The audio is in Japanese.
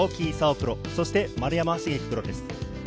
プロ、そして丸山茂樹プロです。